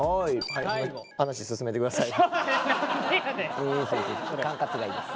はい。